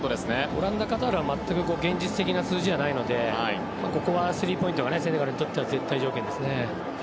オランダ、カタールは全く現実的な数字じゃないのでここは、３ポイントがセネガルにとっては絶対条件ですね。